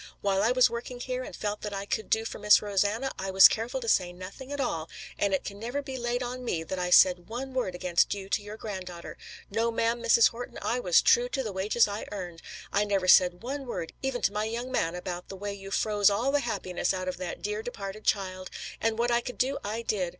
While I was working here and felt that I could do for Miss Rosanna, I was careful to say nothing at all, and it can never be laid to me that I said one word against you to your granddaughter. No, ma'am, Mrs. Horton, I was true to the wages I earned. I never said one word even to my young man about the way you froze all the happiness out of that dear departed child. And what I could do I did.